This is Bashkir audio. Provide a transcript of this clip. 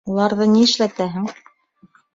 — Уларҙы ни эшләтәһең?